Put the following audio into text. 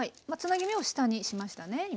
はいつなぎ目を下にしましたね